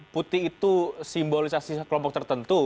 putih itu simbolisasi kelompok tertentu